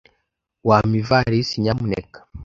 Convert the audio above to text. Wampa ivalisi, nyamuneka?